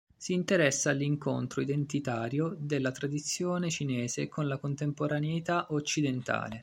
Si interessa all’incontro identitario della tradizione cinese con la contemporaneità occidentale.